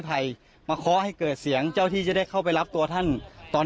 ภัยมาเคาะให้เกิดเสียงเจ้าที่จะได้เข้าไปรับตัวท่านตอน